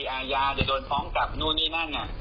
อาญาจะโดนฟ้องกลับนู่นนี่นั่น